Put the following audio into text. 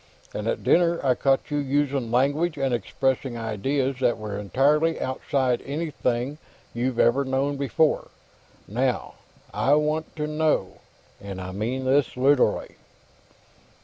And at dinner, I caught you using language and expressing ideas that were entirely outside anything you'd ever known before. Now, I want to know and I mean this literally."